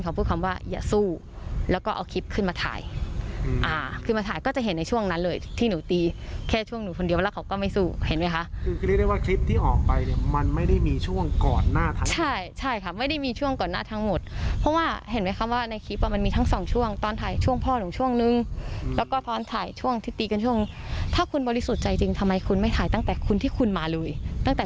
คือคือเรียกได้ว่าคลิปที่ออกไปเนี้ยมันไม่ได้มีช่วงก่อนหน้าทั้งหมดใช่ใช่ค่ะไม่ได้มีช่วงก่อนหน้าทั้งหมดเพราะว่าเห็นไหมคำว่าในคลิปว่ามันมีทั้งสองช่วงตอนถ่ายช่วงพ่อหนูช่วงหนึ่งแล้วก็ตอนถ่ายช่วงที่ตีกันช่วงถ้าคุณบริสุทธิ์ใจจริงทำไมคุณไม่ถ่ายตั้งแต่คุณที่คุณมาเลยตั้งแต